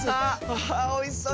あおいしそう。